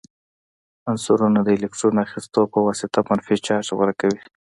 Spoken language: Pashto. عنصرونه د الکترون اخیستلو په واسطه منفي چارج غوره کوي.